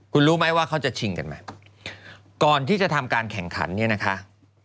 คุณรู้ไหมว่าเขาจะชิงกันไหมก่อนที่จะทำการแข่งขันเนี่ยนะคะ